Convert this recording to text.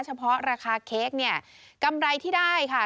เฉพาะราคาเค้กเนี่ยกำไรที่ได้ค่ะ